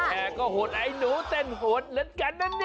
แกก็โหดไอหนูเต้นหวดรีดกันนั้นนี่